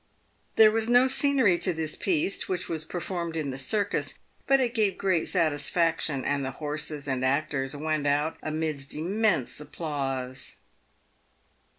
There was no scenery to this piece, which was performed in the circus, but it gave great satisfaction, and the horses and actors went out amid immense applause.